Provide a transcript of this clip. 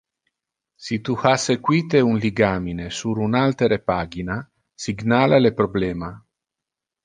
Si tu ha sequite un ligamine sur un altere pagina, signala le problema.